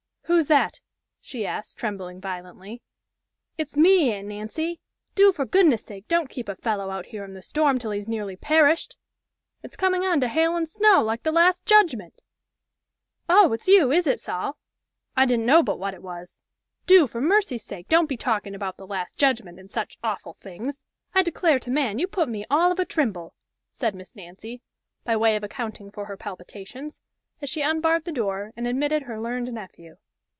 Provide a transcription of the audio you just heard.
"Who's that?" she asked, trembling violently. "It's me, Aunt Nancy! Do for goodness' sake don't keep a fellow out here in the storm till he's nearly perished. It's coming on to hail and snow like the last judgment!" "Oh! it's you, is it, Sol? I didn't know but what it was Do, for mercy's sake don't be talking about the last judgment, and such awful things I declare to man, you put me all of a trimble," said Miss Nancy, by way of accounting for her palpitations, as she unbarred the door, and admitted her learned nephew.